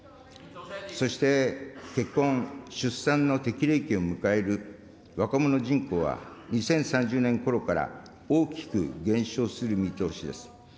そして、結婚・出産の適齢期を迎える若者人口は２０３０年ころから大きく減少する見通しです。